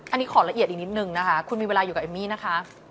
อันนี้ขอละเอียดอีกนิดนึงนะคะคุณมีเวลาอยู่กับเอมมี่นะคะ